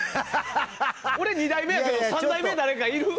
俺、２代目やけど３代目、誰かいる？